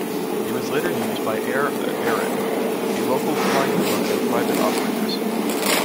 It was later used by Aer Arann, a local flying club and private operators.